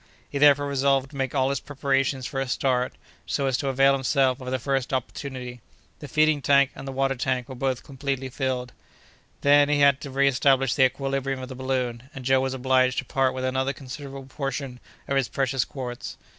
He therefore resolved to make all his preparations for a start, so as to avail himself of the first opportunity. The feeding tank and the water tank were both completely filled. Then he had to reestablish the equilibrium of the balloon, and Joe was obliged to part with another considerable portion of his precious quartz.